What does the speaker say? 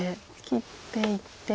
切っていって。